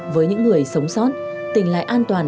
với những người sống sót tình lại an toàn